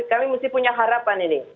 kami mesti punya harapan ini